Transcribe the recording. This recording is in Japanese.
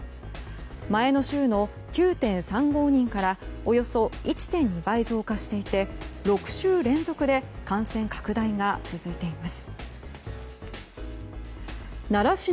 前の週の９．３５人からおよそ１．２倍増加していて６週連続で感染拡大が続いています。